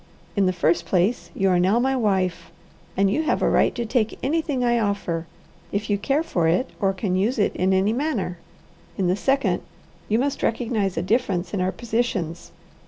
In the first place, you are now my wife, and you have a right to take anything I offer, if you care for it or can use it in any manner. In the second, you must recognize a difference in our positions.